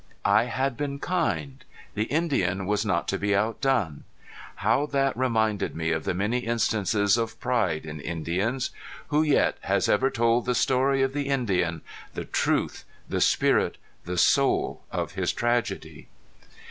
I had been kind. The Indian was not to be outdone. How that reminded me of the many instances of pride in Indians! Who yet has ever told the story of the Indian the truth, the spirit, the soul of his tragedy?